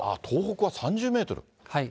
東北は３０メートル？